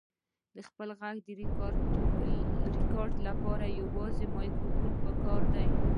د خپل غږ ریکارډ لپاره یوازې یو مایکروفون پکار دی.